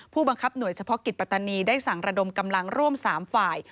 ผู้บังคับหน่วยเฉพาะกิจปัตตานีได้สั่งระดมกำลังร่วม๓ฝ่าย